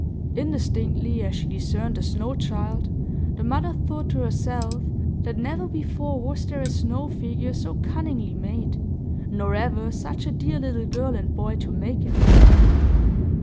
Indistinctly as she discerned the snow child, the mother thought to herself that never before was there a snow figure so cunningly made, nor ever such a dear little girl and boy to make it.